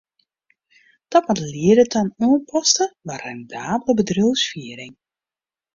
Dat moat liede ta in oanpaste, mar rendabele bedriuwsfiering.